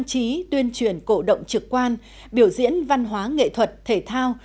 tổ chức tổ chức trang trí tuyên truyền cổ động trực quan biểu diễn văn hóa nghệ thuật thể thao